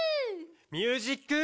ミュージック。